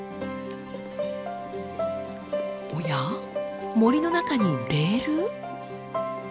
おや森の中にレール？